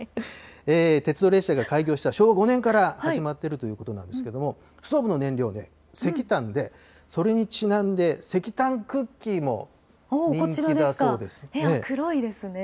鉄道列車が開業した昭和５年から始まっているということなんですけど、ストーブの燃料、石炭で、それにちなんで石炭クッキー黒いですね。